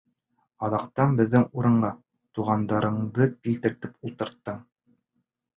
Аҙаҡтан беҙҙең урынға туғандарыңды килтереп ултырттың...